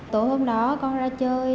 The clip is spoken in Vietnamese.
tối hôm đó con ra chơi